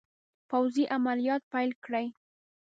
پوځي عملیات پیل کړي.